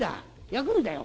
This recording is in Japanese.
やくんだよ」。